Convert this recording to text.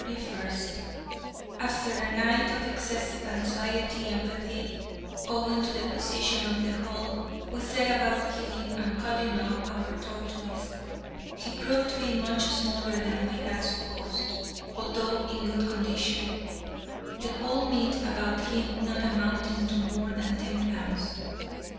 After a night of excessive anxiety and fatigue, owing to the position of the hulk, we set about killing and cutting up our tortoise. He proved to be much smaller than we had supposed, although in good condition,—the whole meat about him not amounting to more than ten pounds.